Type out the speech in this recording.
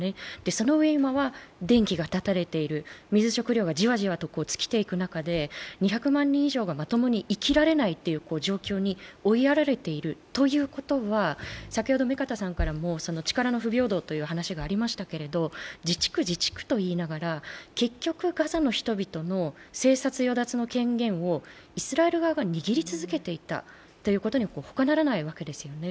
そのうえに今は電気が断たれている、水、食料が断たれている中で２００万人以上がまともに生きられないという状況に追いやられているということは、目加田さんからも力の不平等という話がありましたが、自治区、自治区といいながら結局、ガザの人々の生殺与奪の権限をイスラエル側が握り続けていたということにほかならないわけですよね。